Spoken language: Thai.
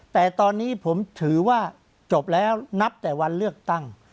แต่ตอนนี้ผมถือว่าจบแล้วนับแต่วันเลือกตั้ง